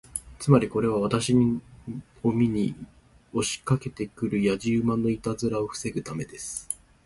つまり、これは私を見に押しかけて来るやじ馬のいたずらを防ぐためです。